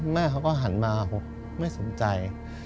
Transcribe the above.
แม่เขาก็หันมาบอกไม่สนใจ